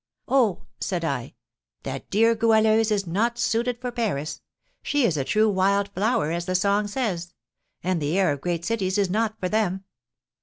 'Oh,' said I, 'that dear Goualeuse is not suited for Paris; she is a true wild flower, as the song says; and the air of great cities is not for them.